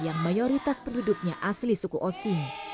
yang mayoritas penduduknya asli suku osing